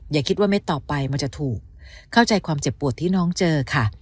อย่าคิดว่าเม็ดต่อไปมันจะถูกเข้าใจความเจ็บปวดที่น้องเจอค่ะ